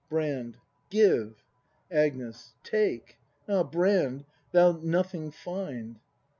Brand. Give! Agnes. Take! Ah, Brand, thou'lt nothing find!